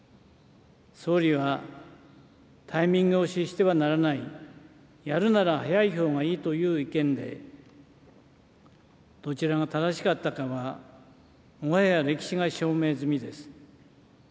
総理はタイミングを失してはならない、やるなら早いほうがいいという意見で、どちらが正しかったかは、もはや歴史が証明済みです。